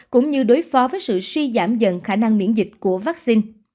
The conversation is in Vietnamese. cũng như đối phó với sự suy giảm dần khả năng miễn dịch của vaccine